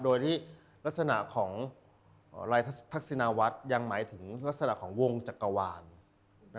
โดยที่ลักษณะของลายทักษิณวัฒน์ยังหมายถึงลักษณะของวงจักรวาล